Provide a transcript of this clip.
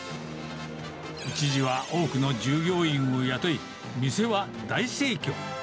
一時は多くの従業員を雇い、店は大盛況。